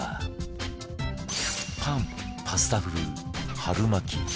パンパスタ風春巻き